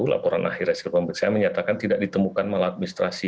laporan akhir hasil pemeriksaan menyatakan tidak ditemukan malah administrasi